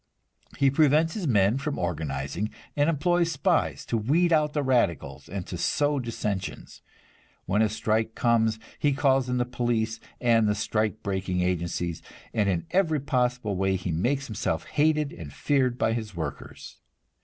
He prevents his men from organizing, and employs spies to weed out the radicals and to sow dissensions. When a strike comes, he calls in the police and the strike breaking agencies, and in every possible way he makes himself hated and feared by his workers.